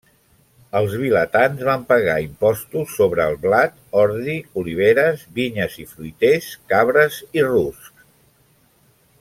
Els vilatans van pagar impostos sobre blat, ordi, oliveres, vinyes i fruiters, cabres i ruscs.